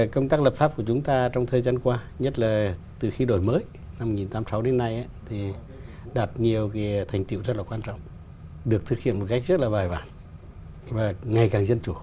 công tác lập pháp của chúng ta trong thời gian qua nhất là từ khi đổi mới năm một nghìn chín trăm tám mươi sáu đến nay đạt nhiều thành tiệu rất là quan trọng được thực hiện một cách rất là bài bản và ngày càng dân chủ